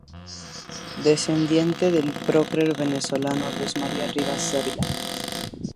Descendiente del prócer venezolano Luis María Rivas Dávila.